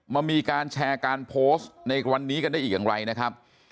มันมีการแชร์การโพสต์ในวันนี้กันได้อีกอย่างไรนะครับ